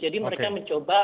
jadi mereka mencoba